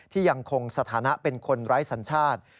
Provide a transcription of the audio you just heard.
ยังคงสถานะเป็นคนไร้สัญชาติ